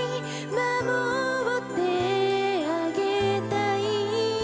「守ってあげたい」